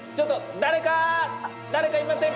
誰かいません。